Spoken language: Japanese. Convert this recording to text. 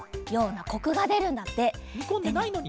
にこんでないのに？